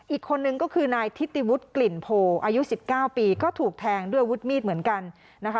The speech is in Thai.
อีกคนนึงก็คือนายทิติวุฒิกลิ่นโพอายุ๑๙ปีก็ถูกแทงด้วยวุฒิมีดเหมือนกันนะคะ